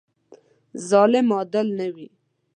ظالم عادل نه وي.